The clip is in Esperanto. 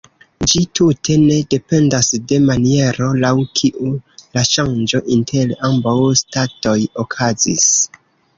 Ĝi tute ne dependas de maniero, laŭ kiu la ŝanĝo inter ambaŭ statoj okazis.